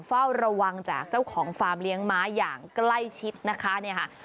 เฝ้าระวังจากเจ้าของฟาร์มเลี้ยงม้าอย่างใกล้ชิดนะคะเนี่ยค่ะ